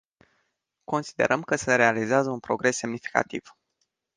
Considerăm că se realizează un progres semnificativ.